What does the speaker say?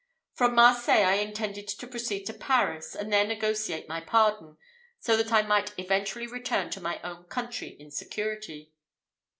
From Marseilles, I intended to proceed to Paris, and there negotiate my pardon, so that I might eventually return to my own country in security."